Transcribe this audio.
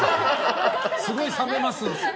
すごい冷めます。